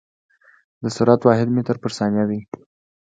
د سرعت واحد متر پر ثانيه ده.